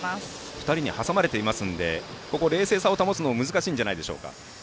２人に挟まれていますので冷静さを保つのも難しいんじゃないですか？